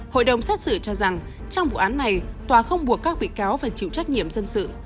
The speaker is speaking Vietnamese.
hội đồng xét xử cho rằng trong vụ án này tòa không buộc các bị cáo phải chịu trách nhiệm dân sự